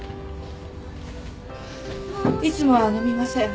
いつもは飲みません。